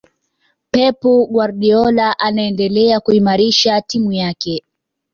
pep guardiola anaendelea kuimarisha timu yake